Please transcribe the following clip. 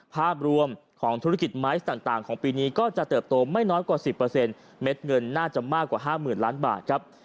ภาพรวมของธุรกิจไม้ต่างต่างของปีนี้ก็จะเติบโตไม่น้อยกว่าสิบเปอร์เซ็นต์เม็ดเงินน่าจะมากกว่าห้าหมื่นล้านบาทครับ